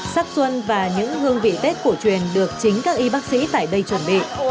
sắc xuân và những hương vị tết cổ truyền được chính các y bác sĩ tại đây chuẩn bị